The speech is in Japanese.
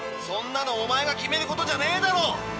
そんなのおまえが決めることじゃねえだろう。